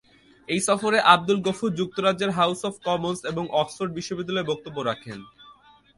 এই সফরে আবদুল-গফুর যুক্তরাজ্যের হাউস অব কমন্স এবং অক্সফোর্ড বিশ্ববিদ্যালয়ে বক্তব্য রাখেন।